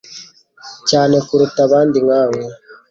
cyane kuruta abandi nkawe